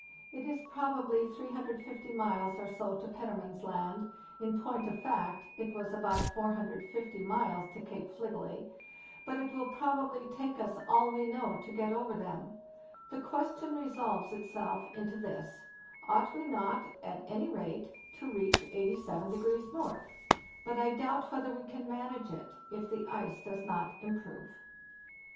* It is probably 350 miles or so to Petermann's Land (in point of fact it was about 450 miles to Cape Fligely); but it will probably take us all we know to get over them. The question resolves itself into this: Ought we not, at any rate, to reach 87° N.? But I doubt whether we can manage it if the ice does not improve.